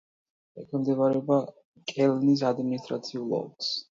ექვემდებარება კელნის ადმინისტრაციულ ოლქს.